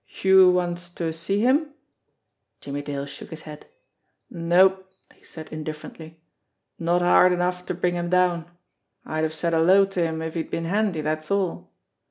"You want to see him?" Jimmie Dale shook his head. "Nope !" he said indifferently. "Not hard enough to bring him down. I'd have said hello to him if he'd been handy, that's all."